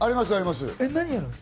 あります。